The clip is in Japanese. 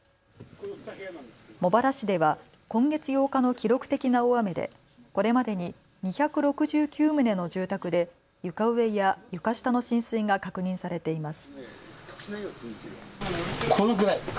茂原市では今月８日の記録的な大雨でこれまでに２６９棟の住宅で床上や床下の浸水が確認されています。